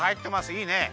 いいね。